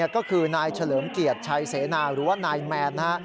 ก็คือนายเฉลิมเกียรติชัยเสนาหรือว่านายแมนนะฮะ